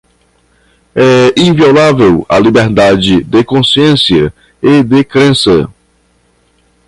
é inviolável a liberdade de consciência e de crença